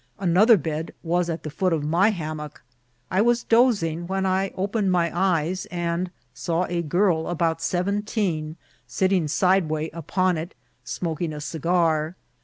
Another bed was at the foot of my hammock. I was dozing, when I opened my eyes, and saw a girl about seventeen sitting sideway upon it, smoking a cigar.